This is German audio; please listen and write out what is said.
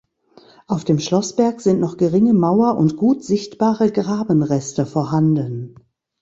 Auf dem Schlossberg sind noch geringe Mauer- und gut sichtbare Grabenreste vorhanden.